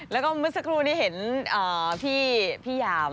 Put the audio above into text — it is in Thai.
แล้วก็เมื่อสักครู่นี้เห็นพี่ยาว